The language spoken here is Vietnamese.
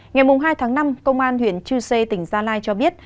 ngày hai tháng năm công an huyện chư sê tỉnh gia lai cho biết